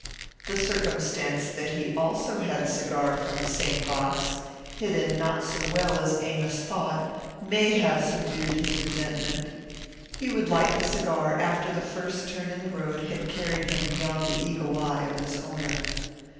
The circumstance that he also had a cigar from the same box, hidden not so well as Amos thought, may have subdued his resentment. He would light the cigar after the first turn in the road had carried him beyond the eagle eye of its owner.